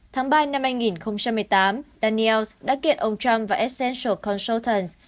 tháng ba năm hai nghìn một mươi tám daniels đã kiện ông trump và essential consultants